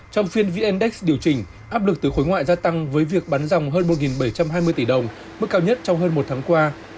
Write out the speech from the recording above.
trong phiên vndex điều chỉnh áp lực từ khối ngoại gia tăng với việc bắn dòng hơn một bảy trăm hai mươi tỷ đồng mức cao nhất trong hơn một tháng qua